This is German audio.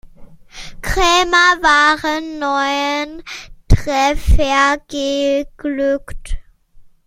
Krämer waren neun Treffer geglückt.